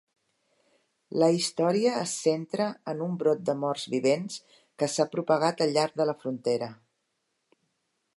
La història es centra en un brot de morts vivents que s'ha propagat al llarg de la frontera.